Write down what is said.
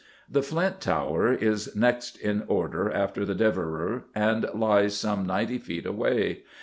The Flint Tower is next in order after the Devereux, and lies some ninety feet away.